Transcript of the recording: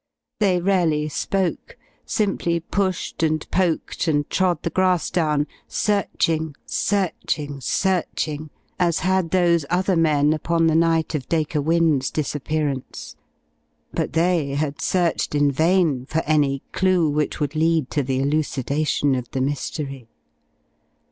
They rarely spoke, simply pushed and poked and trod the grass down; searching, searching, searching, as had those other men upon the night of Dacre Wynne's disappearance. But they had searched in vain for any clue which would lead to the elucidation of the mystery.